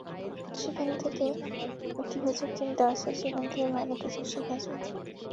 যেখান থেকে ইতিবাচক চিন্তা আসে, সেখান থেকে ভালো কিছু শেখা যায়।